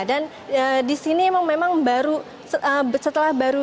dan di sini memang baru setelah baru